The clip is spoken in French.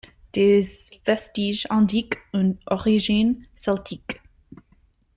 Des vestiges indiquent une origine celtique.